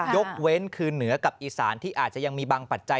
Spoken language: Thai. ยกเว้นคือเหนือกับอีสานที่อาจจะยังมีบางปัจจัย